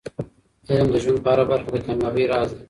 علم د ژوند په هره برخه کې د کامیابۍ راز دی.